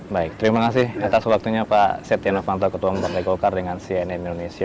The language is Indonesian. baik terima kasih atas waktunya pak setia novanto ketua umum partai golkar dengan cnn indonesia